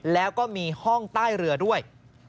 แล้วก็มีห้องใต้เรือด้วย